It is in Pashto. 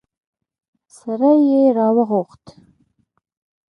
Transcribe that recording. سړی يې راوغوښت.